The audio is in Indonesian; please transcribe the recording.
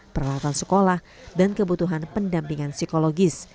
peralatan sekolah dan kebutuhan pendampingan psikologis